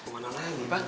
kemana lagi pak